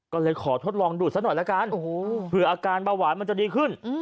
ก็เลยขอทดลองดูดซะหน่อยละกันเผื่ออาการเบาหวานมันจะดีขึ้น